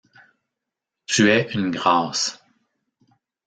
Tu es une grâce.